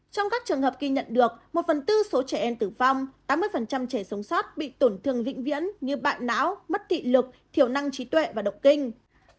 trong các trường hợp ghi nhận được một phần tư số trẻ em tử vong tám mươi trẻ sống sót bị tổn thương vĩnh viễn như bại não mất thị lực thiểu năng trí tuệ và động kinh